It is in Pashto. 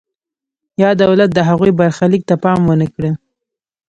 یا دولت د هغوی برخلیک ته پام ونکړي.